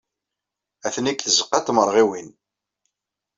Atni deg tzeɣɣa n tmerɣiwin.